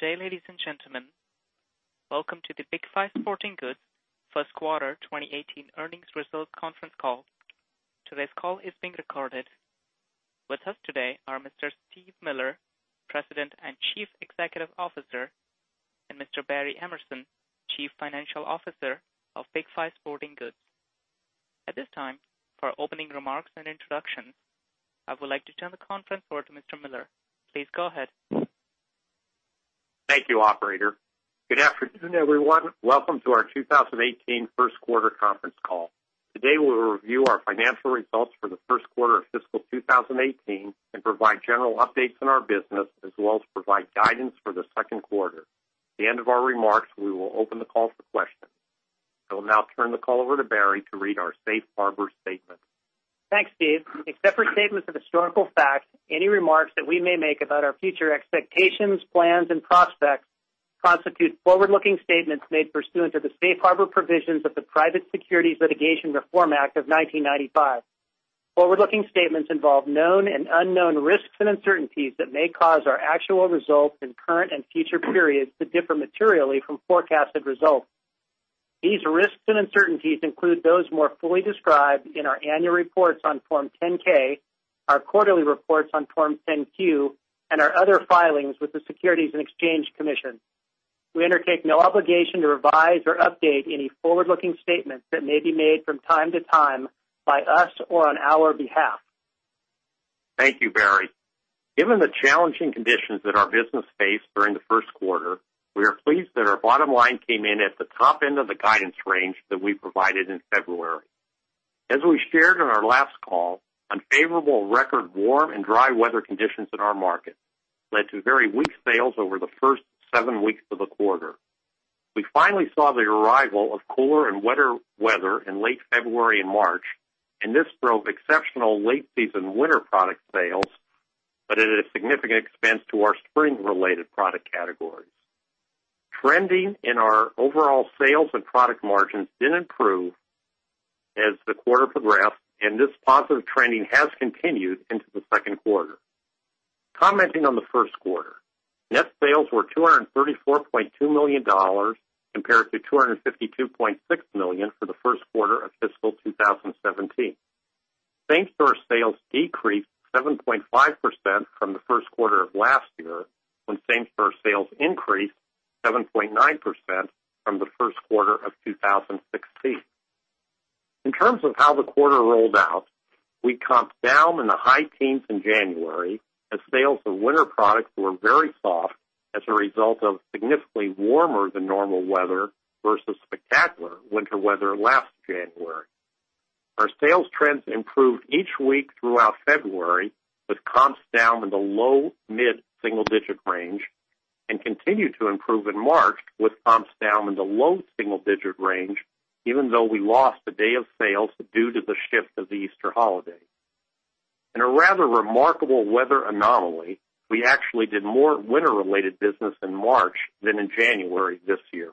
Good day, ladies and gentlemen. Welcome to the Big 5 Sporting Goods first quarter 2018 earnings results conference call. Today's call is being recorded. With us today are Mr. Steve Miller, President and Chief Executive Officer, and Mr. Barry Emerson, Chief Financial Officer of Big 5 Sporting Goods. At this time, for opening remarks and introductions, I would like to turn the conference over to Mr. Miller. Please go ahead. Thank you, operator. Good afternoon, everyone. Welcome to our 2018 first quarter conference call. Today, we will review our financial results for the first quarter of fiscal 2018 and provide general updates on our business, as well as provide guidance for the second quarter. At the end of our remarks, we will open the call for questions. I will now turn the call over to Barry to read our safe harbor statement. Thanks, Steve. Except for statements of historical fact, any remarks that we may make about our future expectations, plans, and prospects constitute forward-looking statements made pursuant to the safe harbor provisions of the Private Securities Litigation Reform Act of 1995. Forward-looking statements involve known and unknown risks and uncertainties that may cause our actual results in current and future periods to differ materially from forecasted results. These risks and uncertainties include those more fully described in our annual reports on Form 10-K, our quarterly reports on Form 10-Q, and our other filings with the Securities and Exchange Commission. We undertake no obligation to revise or update any forward-looking statements that may be made from time to time by us or on our behalf. Thank you, Barry. Given the challenging conditions that our business faced during the first quarter, we are pleased that our bottom line came in at the top end of the guidance range that we provided in February. As we shared on our last call, unfavorable record warm and dry weather conditions in our market led to very weak sales over the first seven weeks of the quarter. We finally saw the arrival of cooler and wetter weather in late February and March, and this drove exceptional late season winter product sales, but at a significant expense to our spring-related product categories. Trending in our overall sales and product margins did improve as the quarter progressed, and this positive trending has continued into the second quarter. Commenting on the first quarter, net sales were $234.2 million compared to $252.6 million for the first quarter of fiscal 2017. Same store sales decreased 7.5% from the first quarter of last year, when same store sales increased 7.9% from the first quarter of 2016. In terms of how the quarter rolled out, we comped down in the high teens in January as sales of winter products were very soft as a result of significantly warmer than normal weather, versus spectacular winter weather last January. Our sales trends improved each week throughout February, with comps down in the low mid-single digit range and continued to improve in March with comps down in the low single digit range, even though we lost a day of sales due to the shift of the Easter holiday. In a rather remarkable weather anomaly, we actually did more winter-related business in March than in January this year.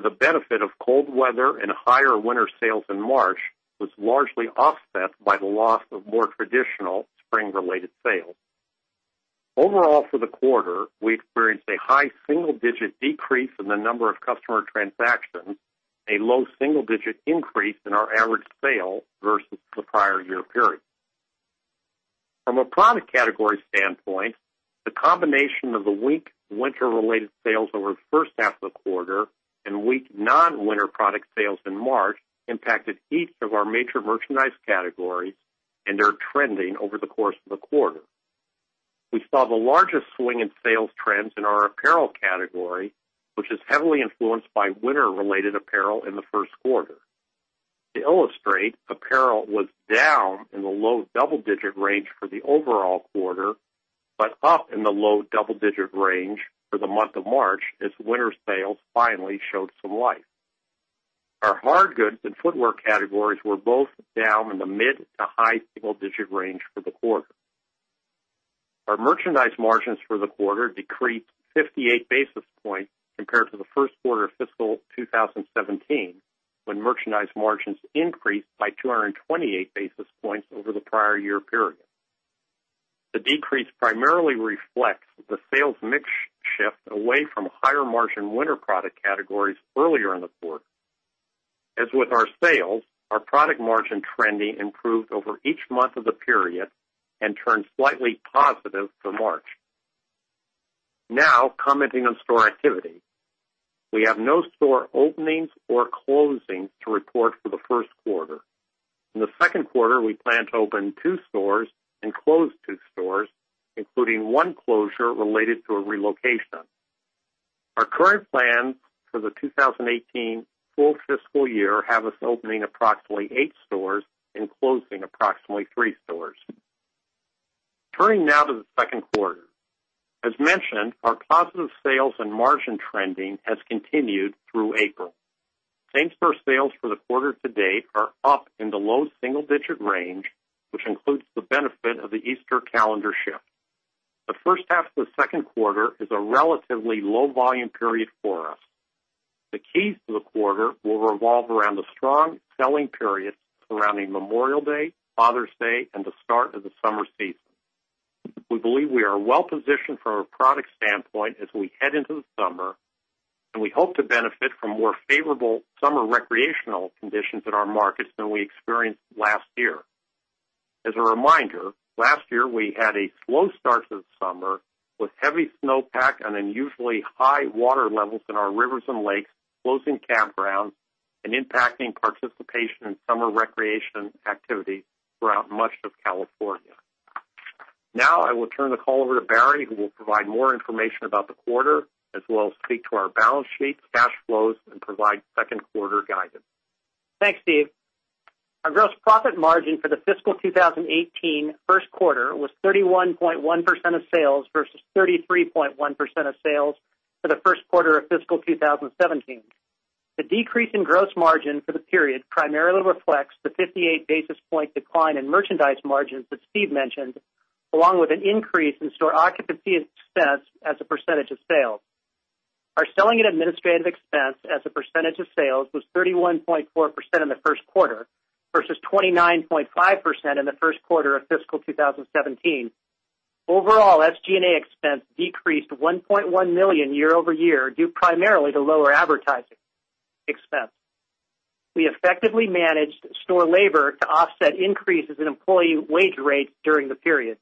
The benefit of cold weather and higher winter sales in March was largely offset by the loss of more traditional spring-related sales. Overall, for the quarter, we experienced a high single-digit decrease in the number of customer transactions, a low single-digit increase in our average sale versus the prior year period. From a product category standpoint, the combination of the weak winter-related sales over the first half of the quarter and weak non-winter product sales in March impacted each of our major merchandise categories and are trending over the course of the quarter. We saw the largest swing in sales trends in our apparel category, which is heavily influenced by winter-related apparel in the first quarter. To illustrate, apparel was down in the low double-digit range for the overall quarter, but up in the low double-digit range for the month of March as winter sales finally showed some life. Our hard goods and footwear categories were both down in the mid to high single-digit range for the quarter. Our merchandise margins for the quarter decreased 58 basis points compared to the first quarter of fiscal 2017, when merchandise margins increased by 228 basis points over the prior year period. The decrease primarily reflects the sales mix shift away from higher margin winter product categories earlier in the quarter. As with our sales, our product margin trending improved over each month of the period and turned slightly positive for March. Now, commenting on store activity. We have no store openings or closings to report for the first quarter. In the second quarter, we plan to open two stores and close two stores, including one closure related to a relocation. Our current plans for the 2018 full fiscal year have us opening approximately eight stores and closing approximately three stores. Turning now to the second quarter. As mentioned, our positive sales and margin trending has continued through April. Same store sales for the quarter to date are up in the low single-digit range, which includes the benefit of the Easter calendar shift. The first half of the second quarter is a relatively low volume period for us. The keys to the quarter will revolve around the strong selling period surrounding Memorial Day, Father's Day, and the start of the summer season. We believe we are well-positioned from a product standpoint as we head into the summer, and we hope to benefit from more favorable summer recreational conditions in our markets than we experienced last year. As a reminder, last year we had a slow start to the summer with heavy snowpack and unusually high water levels in our rivers and lakes, closing campgrounds and impacting participation in summer recreation activity throughout much of California. I will turn the call over to Barry, who will provide more information about the quarter, as well as speak to our balance sheet, cash flows, and provide second quarter guidance. Thanks, Steve. Our gross profit margin for the fiscal 2018 first quarter was 31.1% of sales, versus 33.1% of sales for the first quarter of fiscal 2017. The decrease in gross margin for the period primarily reflects the 58 basis point decline in merchandise margins that Steve mentioned, along with an increase in store occupancy expense as a percentage of sales. Our selling and administrative expense as a percentage of sales was 31.4% in the first quarter versus 29.5% in the first quarter of fiscal 2017. Overall, SG&A expense decreased $1.1 million year-over-year, due primarily to lower advertising expense. We effectively managed store labor to offset increases in employee wage rates during the period.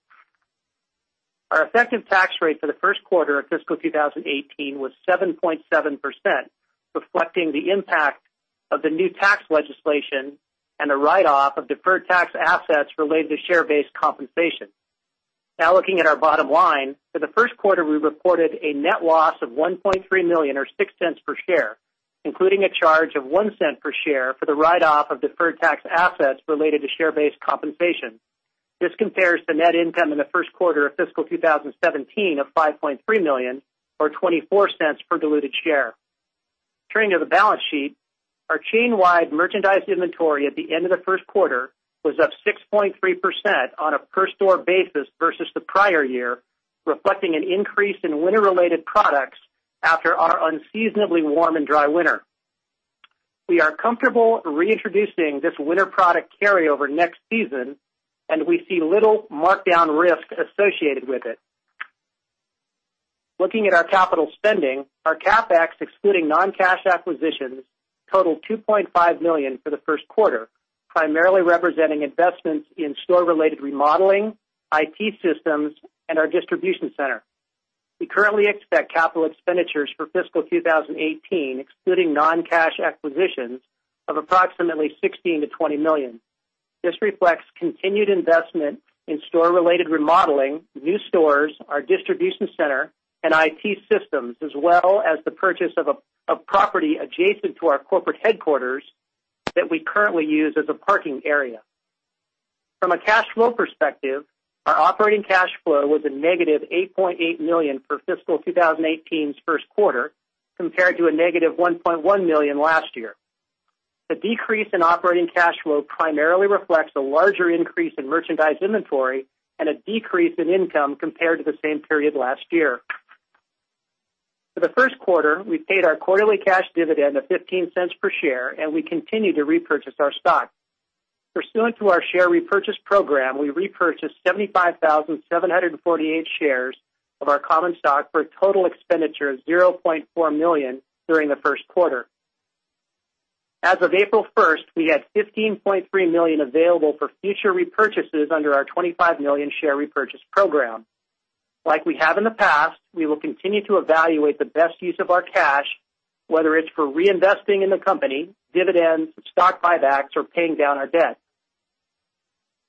Our effective tax rate for the first quarter of fiscal 2018 was 7.7%, reflecting the impact of the new tax legislation and the write-off of deferred tax assets related to share-based compensation. Now looking at our bottom line. For the first quarter, we reported a net loss of $1.3 million, or $0.06 per share, including a charge of $0.01 per share for the write-off of deferred tax assets related to share-based compensation. This compares to net income in the first quarter of fiscal 2017 of $5.3 million or $0.24 per diluted share. Turning to the balance sheet, our chain-wide merchandise inventory at the end of the first quarter was up 6.3% on a per store basis versus the prior year, reflecting an increase in winter-related products after our unseasonably warm and dry winter. We are comfortable reintroducing this winter product carryover next season. We see little markdown risk associated with it. Looking at our capital spending, our CapEx, excluding non-cash acquisitions, totaled $2.5 million for the first quarter, primarily representing investments in store-related remodeling, IT systems, and our distribution center. We currently expect capital expenditures for fiscal 2018, excluding non-cash acquisitions, of approximately $16 million-$20 million. This reflects continued investment in store-related remodeling, new stores, our distribution center, and IT systems, as well as the purchase of property adjacent to our corporate headquarters that we currently use as a parking area. From a cash flow perspective, our operating cash flow was a negative $8.8 million for fiscal 2018's first quarter, compared to a negative $1.1 million last year. The decrease in operating cash flow primarily reflects a larger increase in merchandise inventory and a decrease in income compared to the same period last year. For the first quarter, we paid our quarterly cash dividend of $0.15 per share, and we continue to repurchase our stock. Pursuant to our share repurchase program, we repurchased 75,748 shares of our common stock for a total expenditure of $0.4 million during the first quarter. As of April 1st, we had $15.3 million available for future repurchases under our $25 million share repurchase program. Like we have in the past, we will continue to evaluate the best use of our cash, whether it's for reinvesting in the company, dividends, stock buybacks, or paying down our debt.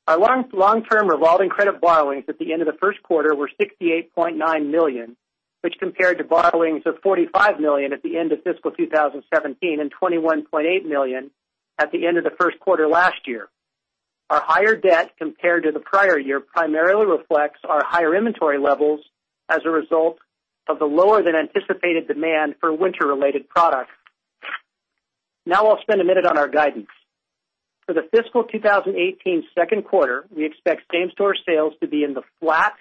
Our long-term revolving credit borrowings at the end of the first quarter were $68.9 million, which compared to borrowings of $45 million at the end of fiscal 2017 and $21.8 million at the end of the first quarter last year. Our higher debt compared to the prior year primarily reflects our higher inventory levels as a result of the lower than anticipated demand for winter related products. Now I'll spend a minute on our guidance. For the fiscal 2018 second quarter, we expect same store sales to be in the flat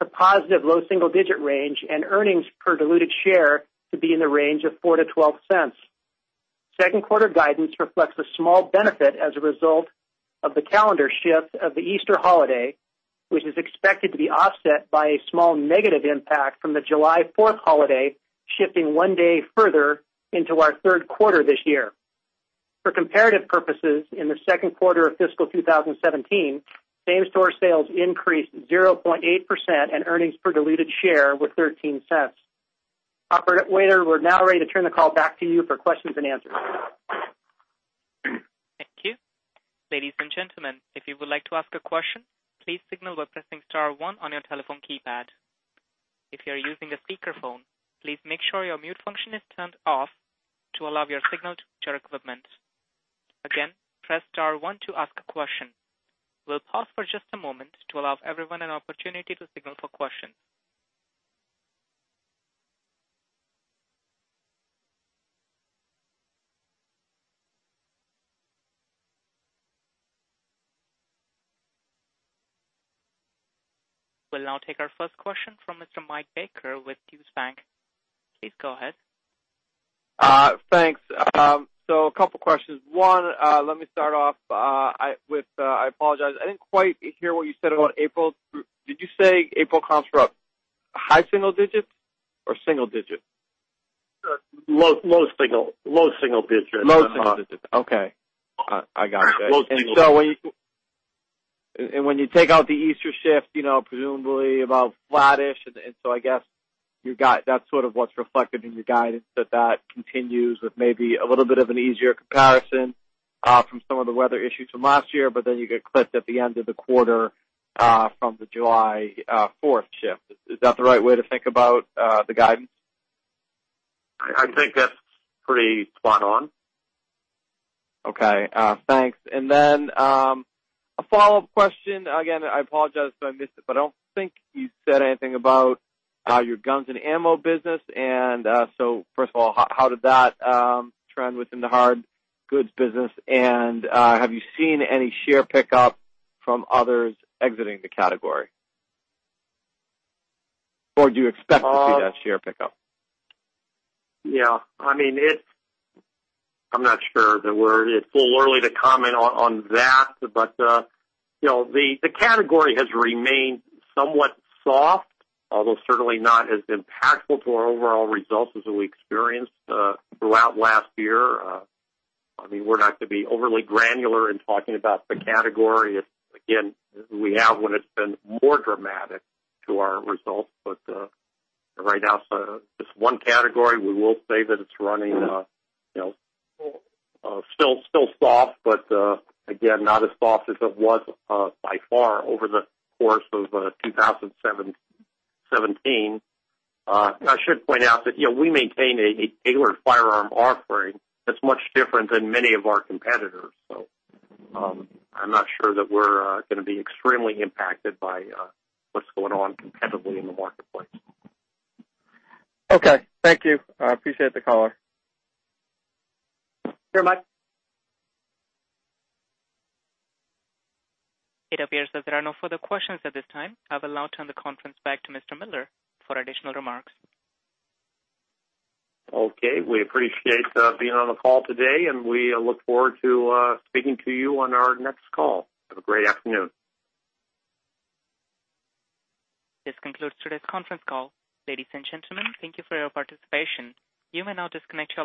to positive low single-digit range, and earnings per diluted share to be in the range of $0.04-$0.12. Second quarter guidance reflects a small benefit as a result of the calendar shift of the Easter holiday, which is expected to be offset by a small negative impact from the July 4th holiday shifting one day further into our third quarter this year. For comparative purposes, in the second quarter of fiscal 2017, same store sales increased 0.8% and earnings per diluted share were $0.13. Operator, we're now ready to turn the call back to you for questions and answers. Thank you. Ladies and gentlemen, if you would like to ask a question, please signal by pressing star one on your telephone keypad. If you are using a speakerphone, please make sure your mute function is turned off to allow your signal to reach our equipment. Again, press star one to ask a question. We'll pause for just a moment to allow everyone an opportunity to signal for questions. We'll now take our first question from Mr. Michael Baker with Deutsche Bank. Please go ahead. Thanks. A couple questions. One, let me start off with, I apologize, I didn't quite hear what you said about April. Did you say April comps were up high single digits or single digits? Low single digits. Low single digits. Okay. I got you. Low single. When you take out the Easter shift, presumably about flattish. I guess that's sort of what's reflected in your guidance, that continues with maybe a little bit of an easier comparison from some of the weather issues from last year. You get clipped at the end of the quarter from the July 4th shift. Is that the right way to think about the guidance? I think that's pretty spot on. Okay, thanks. A follow-up question, again, I apologize if I missed it, but I don't think you said anything about your guns and ammo business. First of all, how did that trend within the hard goods business, and have you seen any share pickup from others exiting the category? Do you expect to see that share pickup? Yeah. I'm not sure. It's a little early to comment on that, but the category has remained somewhat soft, although certainly not as impactful to our overall results as we experienced throughout last year. We're not going to be overly granular in talking about the category. Again, we have when it's been more dramatic to our results. Right now, it's one category. We will say that it's running still soft, but again, not as soft as it was by far over the course of 2017. I should point out that we maintain a regular firearm offering that's much different than many of our competitors. I'm not sure that we're going to be extremely impacted by what's going on competitively in the marketplace. Okay. Thank you. I appreciate the call. Sure, Mike. It appears that there are no further questions at this time. I will now turn the conference back to Mr. Miller for additional remarks. Okay. We appreciate being on the call today. We look forward to speaking to you on our next call. Have a great afternoon. This concludes today's conference call. Ladies and gentlemen, thank you for your participation. You may now disconnect your lines.